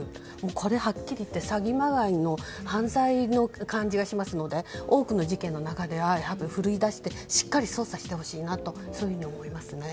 これはっきり言って詐欺まがいの犯罪の感じがしますので多くの事件の中でふるいだしてしっかり捜査してほしいなと思います。